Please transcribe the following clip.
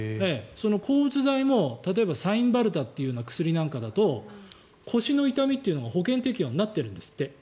それもサインバルタという薬なんかだと腰の痛みが保険適用になっているんですって。